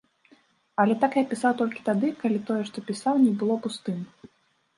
Але так я пісаў толькі тады, калі тое, што пісаў, не было пустым.